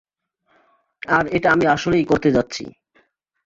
আর এটা আমি আসলেই করতে যাচ্ছি।